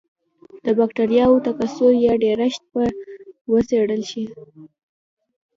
د بکټریاوو تکثر یا ډېرښت به وڅېړل شي.